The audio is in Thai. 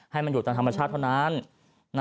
ให้มันอยู่ตามธรรมชาติเท่านั้น